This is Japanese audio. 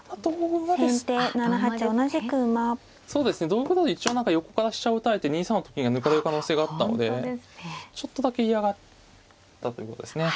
同玉だと一応何か横から飛車を打たれて２三のと金が抜かれる可能性があったのでちょっとだけ嫌がったということですね。